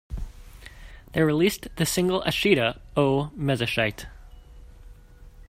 They released the single Ashita o Mezashite!